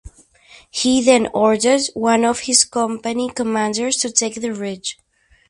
He then ordered one of his company commanders to take the ridge.